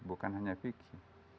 bukan hanya fikih